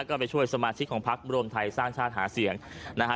ก็ไปช่วยสมาชิกของพักรวมไทยสร้างชาติหาเสียงนะฮะ